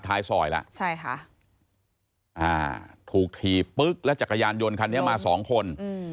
ทุกทีปึ๊บแล้วจักรยานยนต์คันนี้มาสองคน